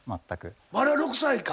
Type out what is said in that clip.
あれは６歳か？